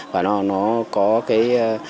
và nó có cái